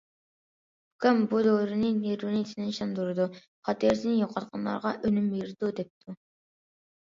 ئۇكام بۇ دورىنى نېرۋىنى تىنچلاندۇرىدۇ، خاتىرىسىنى يوقاتقانلارغا ئۈنۈم بېرىدۇ، دەپتۇ.